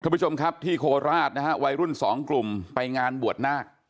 ผู้ชมครับที่โคราชนะฮะวัยรุ่นสองกลุ่มไปงานบวชนาค